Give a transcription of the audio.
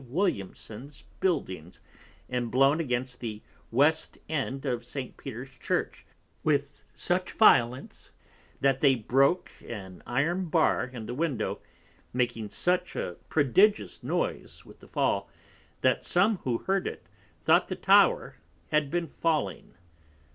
Williamson_'s Buildings, and blown against the West end of St. Peter's Church with such Violence, that they broke an Iron bar in the Window, making such a prodigious Noise with the fall, that some who heard it, thought the Tower had been falling.